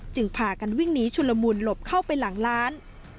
พากันวิ่งหนีชุลมูลหลบเข้าไปหลังร้าน